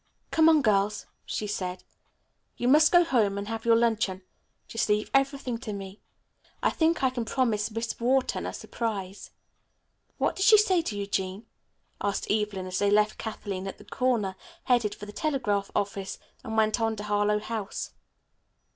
"Come on, girls," she said. "You must go home and have your luncheon. Just leave everything to me. I think I can promise Miss Wharton a surprise." "What did she say to you, Jean?" asked Evelyn as they left Kathleen at the corner, headed for the telegraph office, and went on to Harlowe House.